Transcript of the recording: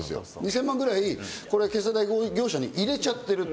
２０００万円ぐらい決済代行業者に入れちゃってる。